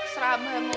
serah sama umi aja ya